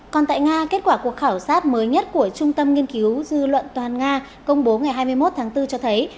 còn tại nga kết quả cuộc khảo sát mới nhất của trung tâm nghiên cứu dư luận toàn nga công bố ngày hai mươi một tháng bốn cho thấy